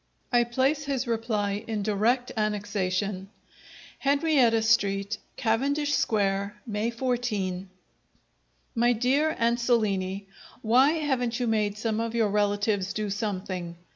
I place his reply in direct annexation: "Henrietta Street, Cavendish Square, May 14. "My dear Ansolini, Why haven't you made some of your relatives do something?